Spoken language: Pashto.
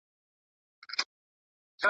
چې ور دې پورې کړ ځنځیر دې واچاوونه